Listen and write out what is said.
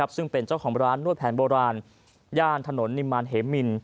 ซึ่งเป็นเจ้าของร้านนวดแผนโบราณย่านถนนนิมารเหมิน